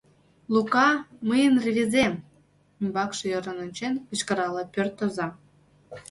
— Лука, мыйын рвезем! — ӱмбакше ӧрын ончен, кычкырале пӧрт оза.